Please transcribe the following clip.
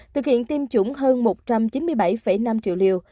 thực hiện tiêm chủng hơn một trăm chín mươi bảy năm triệu liều